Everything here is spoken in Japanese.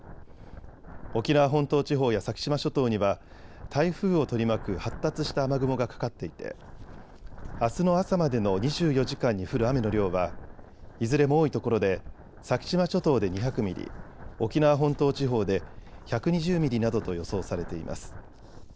沖縄本島地方や先島諸島には台風を取り巻く発達した雨雲がかかっていてあすの朝までの２４時間に降る雨の量はいずれも多いところで先島諸島で２００ミリ、沖縄本島地方で１２０ミリなどと予想されています。